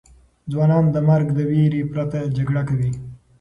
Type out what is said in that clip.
ځوانان د مرګ د ویرې پرته جګړه کوي.